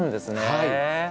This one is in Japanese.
はい。